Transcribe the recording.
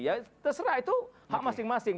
ya terserah itu hak masing masing